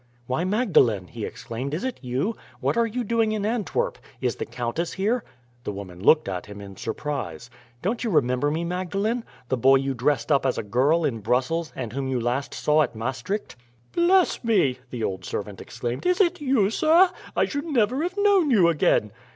"Why, Magdalene!" he exclaimed, "is it you? What are you doing in Antwerp? Is the countess here?" The woman looked at him in surprise. "Don't you remember me, Magdalene? the boy you dressed up as a girl at Brussels, and whom you last saw at Maastricht?" "Bless me!" the old servant exclaimed, "is it you, sir? I should never have known you again."